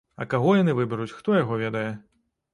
А каго яны выберуць, хто яго ведае.